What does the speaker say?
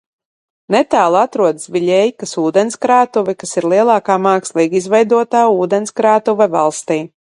Netālu atrodas Viļejkas ūdenskrātuve, kas ir lielākā mākslīgi izveidotā ūdenskrātuve valstī.